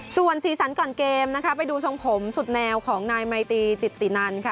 ส่วนสีสันก่อนเกมนะคะไปดูทรงผมสุดแนวของนายไมตีจิตตินันค่ะ